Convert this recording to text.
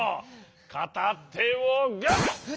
かたてをグッ！